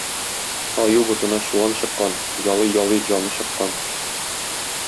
Аю ботына чуан чыккан, ялый-ялый җаны чыккан.